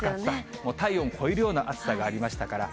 体温を超えるような暑さがありましたから。